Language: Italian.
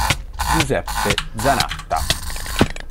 Giuseppe Zanatta